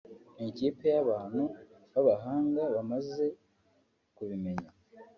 ni ikipe y’abantu b’abahanga bamaze kubimenya